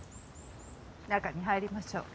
中に入りましょう。